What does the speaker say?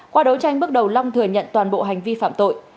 qua đấu tranh bước đầu long thừa nhận toàn bộ hành vi phạm tội